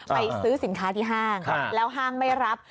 ไปซื้อสินค้าที่ห้างแล้วห้างไม่รับ